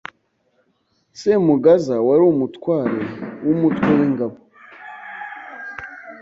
Semugaza wari umutware w’umutwe w’ingabo